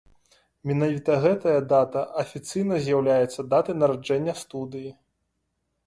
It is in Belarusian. Менавіта гэтая дата афіцыйна з'яўляецца датай нараджэння студыі.